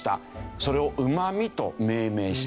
それをうま味と命名した。